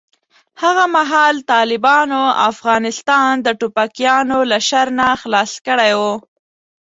هغه مهال طالبانو افغانستان د ټوپکیانو له شر نه خلاص کړی و.